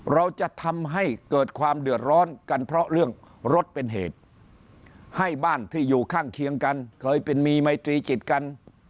เราจะทำให้เกิดความเดือดร้อนกันเพราะเรื่องรถเป็นเหตุให้บ้านที่อยู่ข้างเคียงกันเคยเป็นมีไมตรีจิตกัน